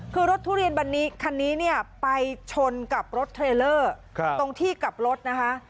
คือรถทุเรียนคันนี้คันนี้เนี่ยไปชนกับรถเทรลเลอร์ตรงที่กลับรถนะคะ